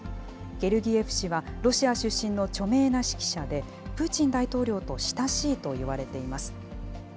ゲルギエフ氏はロシアの著名な指揮者でプーチン大統領と親しいといわれています。